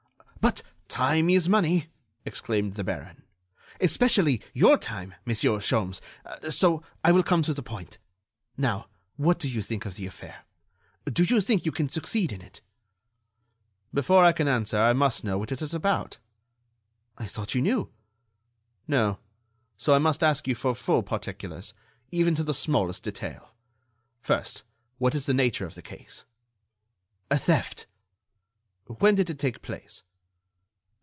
"But time is money," exclaimed the baron, "especially your time, Monsieur Sholmes. So I will come to the point. Now, what do you think of the affair? Do you think you can succeed in it?" "Before I can answer that I must know what it is about." "I thought you knew." "No; so I must ask you for full particulars, even to the smallest detail. First, what is the nature of the case?" "A theft." "When did it take place?"